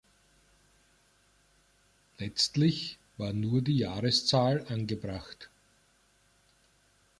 Letztlich war nur die Jahreszahl angebracht.